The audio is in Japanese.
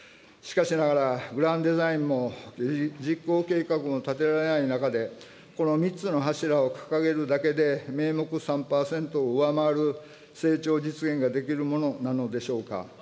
しかしながら、グランドデザインも実行計画も立てられない中で、この３つの柱を掲げるだけで、名目３％を上回る成長実現ができるものなのでしょうか。